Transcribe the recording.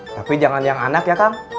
tapi jangan yang anak ya kang